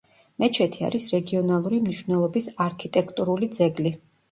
მეჩეთი არის რეგიონალური მნიშვნელობის არქიტექტურული ძეგლი.